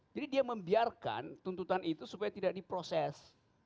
jadi dia membiarkan tuntutan itu supaya tidak diproses